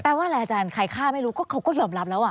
ว่าอะไรอาจารย์ใครฆ่าไม่รู้ก็เขาก็ยอมรับแล้วอ่ะ